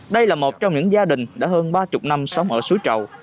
đây là một trong những gia đình đã hơn ba mươi năm sống ở suối trầu